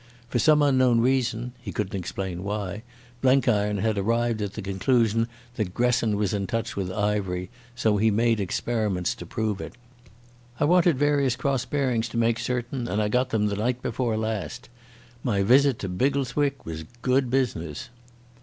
For some unknown reason—he couldn't explain why—Blenkiron had arrived at the conclusion that Gresson was in touch with Ivery, so he made experiments to prove it. "I wanted various cross bearings to make certain, and I got them the night before last. My visit to Biggleswick was good business."